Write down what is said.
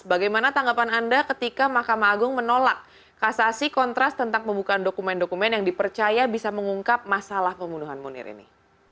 bagaimana tanggapan anda ketika mahkamah agung menolak kasasi kontras tentang pembukaan dokumen dokumen yang dipercaya bisa mengungkap masalah pembunuhan munir ini